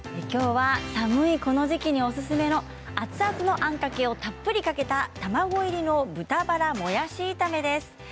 きょうは寒いこの時期におすすめの熱々のあんかけをたっぷりかけた卵入りの豚バラもやし炒めです。